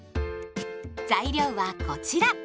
材料はこちら。